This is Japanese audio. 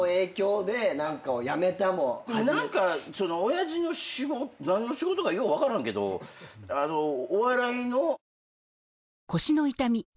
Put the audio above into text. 親父の何の仕事かよう分からんけどお笑いの。